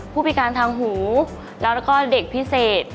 ผู้พิการทางหูแล้วก็เด็กพิเศษ